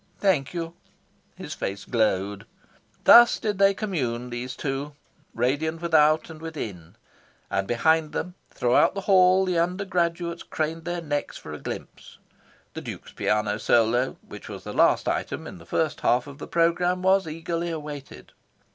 "Thank you." His face glowed. Thus did they commune, these two, radiant without and within. And behind them, throughout the Hall, the undergraduates craned their necks for a glimpse. The Duke's piano solo, which was the last item in the first half of the programme, was eagerly awaited.